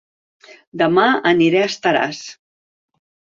Dema aniré a Estaràs